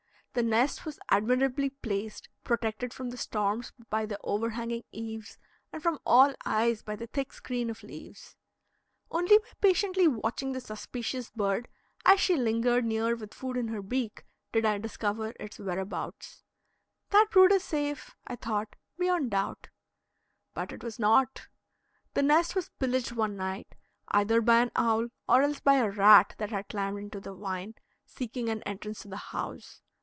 The nest was admirably placed, protected from the storms by the overhanging eaves and from all eyes by the thick screen of leaves. Only by patiently watching the suspicious bird, as she lingered near with food in her beak, did I discover its whereabouts. That brood is safe, I thought, beyond doubt. But it was not; the nest was pillaged one night, either by an owl, or else by a rat that had climbed into the vine, seeking an entrance to the house.